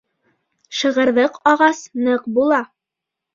Шығырҙыҡ ағас ныҡ була.